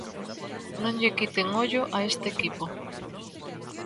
Non lle quiten ollo a este equipo.